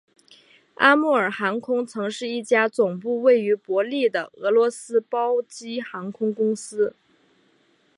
阿穆尔航空曾是一家总部位于伯力的俄罗斯包机航空公司。